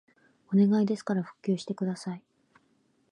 お願いですから復旧してください